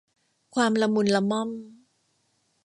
ความละมุนละม่อม